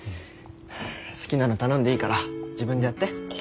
好きなの頼んでいいから自分でやって。